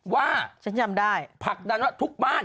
ว่าผลักดันว่าทุกบ้าน